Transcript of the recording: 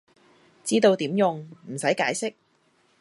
知道點用，唔識解釋